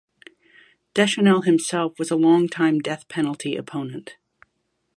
Deschanel himself was a longtime death penalty opponent.